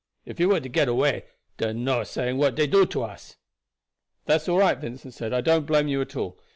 If you were to get away, dar no saying what dey do to us." "That's all right," Vincent said; "I don't blame you at all.